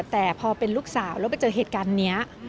แต่พอเป็นลูกสาวแล้วไปเจอเหตุการณ์นี้